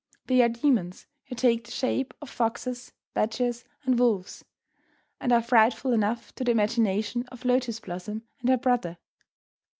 They are demons, who take the shape of foxes, badgers, and wolves, and are frightful enough to the imagination of Lotus Blossom and her brother.